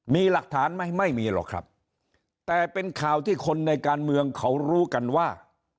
มีหลักฐานไหมไม่มีหรอกครับแต่เป็นข่าวที่คนในการเมืองเขารู้กันว่า